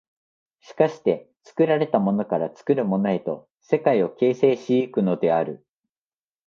しかして作られたものから作るものへと世界を形成し行くのである。